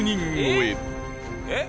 えっ！？